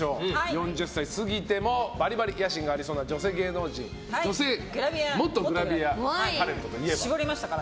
４０過ぎてもバリバリ野心がありそうな元グラビアタレントといえば？